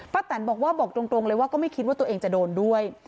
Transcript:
แตนบอกว่าบอกตรงเลยว่าก็ไม่คิดว่าตัวเองจะโดนด้วย